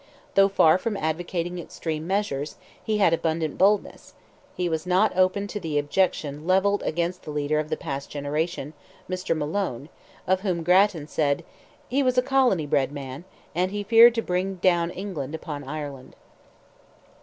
Though far from advocating extreme measures, he had abundant boldness; he was not open to the objection levelled against the leader of the past generation, Mr. Malone, of whom Grattan said, "he was a colony bred man, and he feared to bring down England upon Ireland."